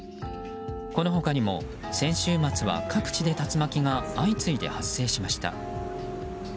この他にも、先週末は各地で竜巻が相次いで発生しました。